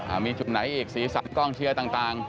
อ่ามีจุดไหนอีกสรีสัมพทย์กล้องเชื้อต่าง